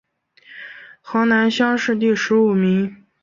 河南乡试第十五名。